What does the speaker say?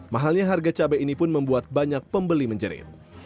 mahalnya harga cabai ini pun membuat banyak pembeli menjerit